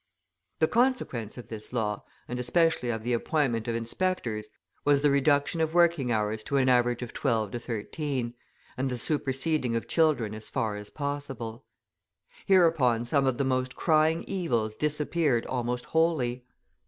The consequence of this law, and especially of the appointment of inspectors, was the reduction of working hours to an average of twelve to thirteen, and the superseding of children as far as possible. Hereupon some of the most crying evils disappeared almost wholly.